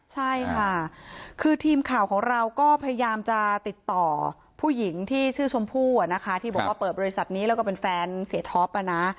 ใช่ค่ะคือทีมข่าวของเราก็พยายามจะติดต่อผู้หญิงที่ชื่อชมพู่นะคะที่บอกว่าเปิดบริษัทนี้แล้วก็เป็นแฟนเสียท็อป